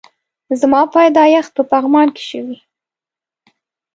زما پيدايښت په پغمان کی شوي